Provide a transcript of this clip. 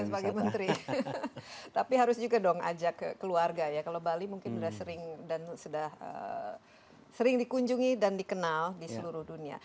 ya sebagai menteri tapi harus juga dong ajak keluarga ya kalau bali mungkin sudah sering dikunjungi dan dikenal di seluruh dunia